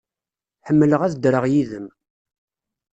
Ḥemmleɣ ad ddreɣ yid-m.